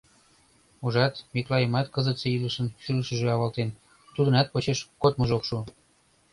— Ужат, Миклайымат кызытсе илышын шӱлышыжӧ авалтен, тудынат почеш кодмыжо ок шу.